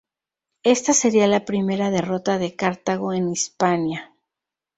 Esta sería la primera derrota de Cartago en Hispania.